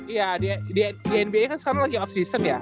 iya di nba kan sekarang lagi off season ya